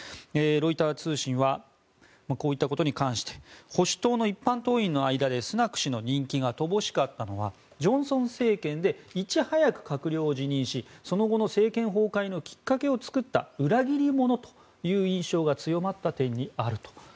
ロイター通信はこういったことに関して保守党の一般党員の間でスナク氏の人気が乏しかったのはジョンソン政権でいち早く閣僚を辞任しその後の政権崩壊のきっかけを作った裏切り者という印象が強まった点にあると。